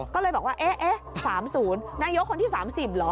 ก็เลยบอกว่าเอ๊ะเอ๊ะสามศูนย์นางโยชน์คนที่สามสิบเหรอ